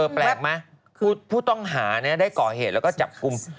แปลกไหมคือผู้ต้องหาได้ก่อเหตุแล้วก็จับกลุ่ม